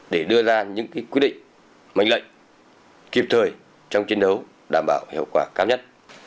để đưa ra những quy định mệnh lệnh kịp thời trong chiến đấu đảm bảo hiệu quả cao nhất